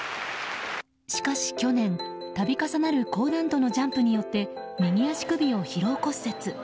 しかし去年、度重なる高難度のジャンプによって右足首を疲労骨折。